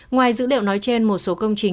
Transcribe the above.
ngoài dữ liệu nói trên một số công trình